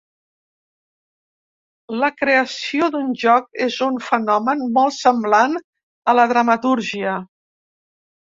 La creació d'un joc és un fenomen molt semblant a la dramatúrgia.